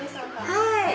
はい。